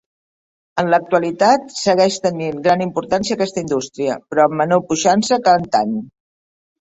En l'actualitat segueix tenint gran importància aquesta indústria, però amb menor puixança que antany.